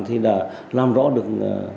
thì đã làm rõ được